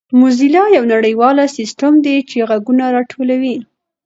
موزیلا یو نړیوال سیسټم دی چې ږغونه راټولوي.